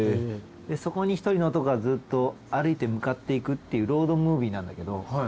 でそこに１人の男がずっと歩いて向かって行くっていうロードムービーなんだけど。